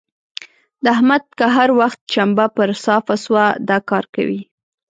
د احمد که هر وخت چمبه پر صافه سوه؛ دا کار کوي.